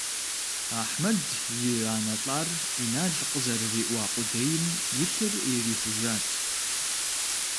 Ахьмэд и анэ лӀар Инал къызэрыриӀуа къудейм и лъыр ирихужьат.